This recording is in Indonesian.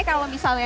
oke minggir dulu ya